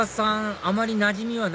あまりなじみはない感じ？